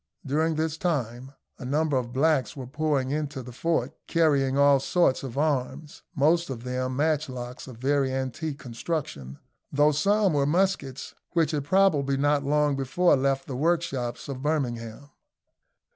During this time a number of blacks were pouring into the fort, carrying all sorts of arms, most of them matchlocks of very antique construction, though some were muskets which had probably not long before left the workshops of Birmingham.